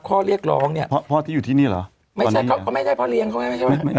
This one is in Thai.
ข้อเรียกร้องเนี่ยเพราะพ่อที่อยู่ที่นี่เหรอไม่ใช่เขาก็ไม่ได้พ่อเลี้ยงเขาใช่ไหม